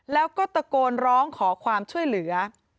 แล้วก็ตะโกนร้องขอความช่วยเหลือ